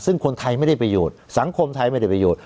ซึ่งคนไทยไม่ได้ประโยชน์สังคมไทยไม่ได้ประโยชน์